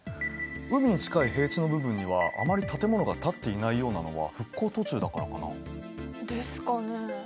海に近い平地の部分にはあまり建物が建っていないようなのは復興途中だからかな？ですかね？